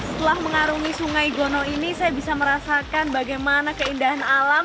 setelah mengarungi sungai gono ini saya bisa merasakan bagaimana keindahan alam